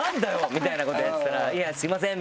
みたいなことやってたら「いやすいません！」